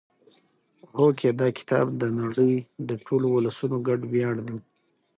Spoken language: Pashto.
هوکې دا کتاب د نړۍ د ټولو ولسونو ګډ ویاړ دی.